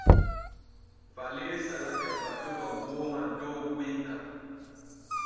Falee salake batugo gooŋa dow guyka.